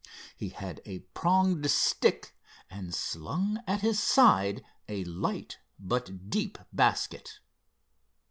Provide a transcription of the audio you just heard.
He had a pronged stick, and slung at his side a light but deep basket.